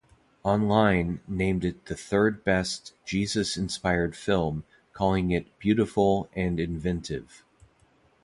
Online" named it the third best "Jesus-inspired" film, calling it "beautiful" and "inventive".